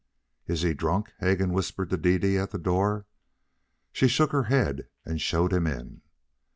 "Is he drunk?" Hegan whispered to Dede at the door. She shook her head and showed him in.